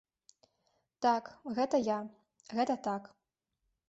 Так, гэта я, гэта так.